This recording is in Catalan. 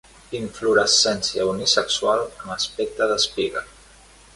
Inflorescència unisexual amb aspecte d'espiga.